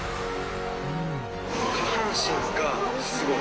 下半身がすごい。